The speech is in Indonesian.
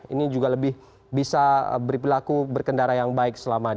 ini juga lebih bisa berpilaku berkendara yang baik selamanya